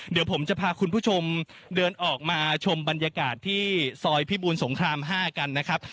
เดี๋ยวผมจะพาคุณผู้ชมเดินออกมาชมบรรยากาศที่ซอยพิบูรสงคราม๕กันนะครับ